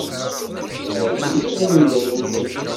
Yeɛjeb-iyi wungal-nnek.